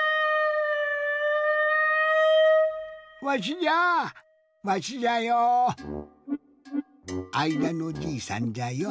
わしじゃあ！